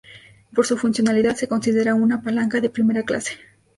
Por su funcionalidad se considera una palanca de "primera clase".